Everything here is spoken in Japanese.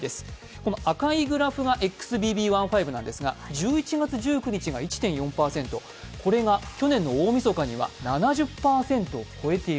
この赤いグラフがＸＢＢ．１．５なんですが、１１月１９日が１．４％、これが去年の大みそかには７０％を超えている。